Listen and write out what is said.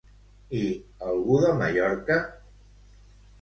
I algú de Mallorca?